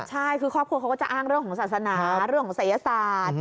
ใช่คือครอบครัวเขาก็จะอ้างเรื่องของศาสนาเรื่องของศัยศาสตร์